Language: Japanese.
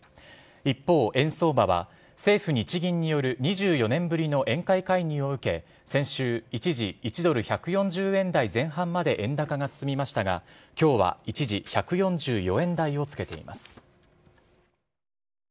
一方、円相場は政府・日銀による２４年ぶりの円買い介入を受け、先週、一時１ドル１４０円台前半まで円高が進みましたが、きょうは一時１４４円台をつけています。